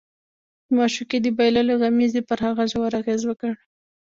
د معشوقې د بایللو غمېزې پر هغه ژور اغېز وکړ